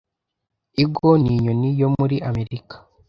Eagle ni inyoni yo muri Amerika